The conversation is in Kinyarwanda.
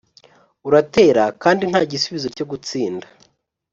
uratera kandi ntagisubizo cyogutsinda?